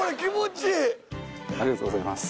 ありがとうございます。